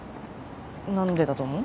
何でだと思う？